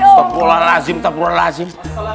sakulah rajim tak bulan rajim